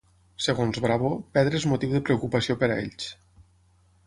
Segons Bravo, perdre és motiu de preocupació per a ells.